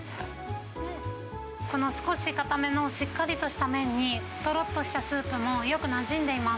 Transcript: この少し硬めのしっかりとした麺に、とろっとしたスープもよくなじんでいます。